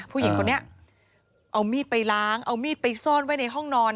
ผู้หญิงคนนี้เอามีดไปล้างเอามีดไปซ่อนไว้ในห้องนอน